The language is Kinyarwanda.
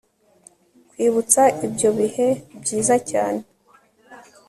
kwibutsa ibyo bihe byiza cyane